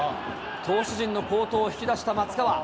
投手陣の好投を引き出した松川。